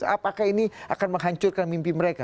apakah ini akan menghancurkan mimpi mereka